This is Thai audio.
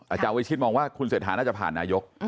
อาจารย์วิชิตมองว่าคุณเศรษฐาน่าจะผ่านนายก